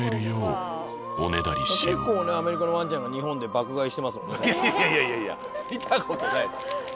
結構ねアメリカのワンちゃんが日本で爆買いしてますもんね。いやいやいやいや見た事ない。